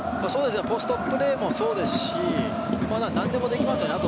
ポストプレーもそうですしまあ何でもできますからね。